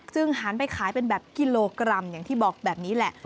หันไปขายเป็นแบบกิโลกรัมอย่างที่บอกแบบนี้แหละ